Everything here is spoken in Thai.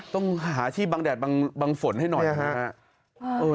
ต้องหาอาชีพบางแดดบางฝนให้หน่อยนะครับ